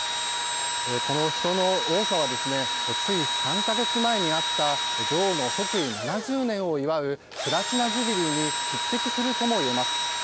この人の多さはつい３か月前にあった女王の即位７０年を祝うプラチナ・ジュビリーに匹敵するともいえます。